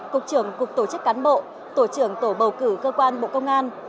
cục trưởng cục tổ chức cán bộ tổ trưởng tổ bầu cử cơ quan bộ công an